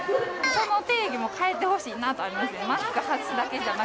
その定義も変えてほしいなというのはありますね。